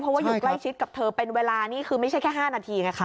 เพราะว่าอยู่ใกล้ชิดกับเธอเป็นเวลานี่คือไม่ใช่แค่๕นาทีไงคะ